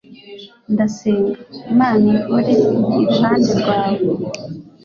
ndasenga, imana ihore iruhande rwawe